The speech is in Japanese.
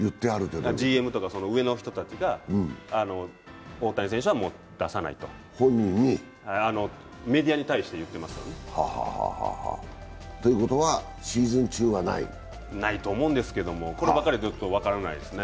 ＧＭとか上の人たちは大谷選手はもう出さないとメディアに対して言ってますからね。ということはシーズン中はない？ないと思うんですけど、こればっかりは分からないですね。